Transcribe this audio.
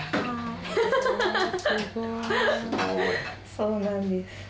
そうなんです。